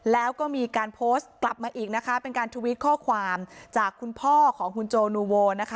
แล้วก็มีการโพสต์กลับมาอีกนะคะเป็นการทวิตข้อความจากคุณพ่อของคุณโจนูโวนะคะ